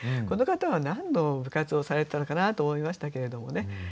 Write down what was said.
この方は何の部活をされてたのかなと思いましたけれどもね。